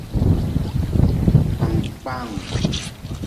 Kpangkpanggu.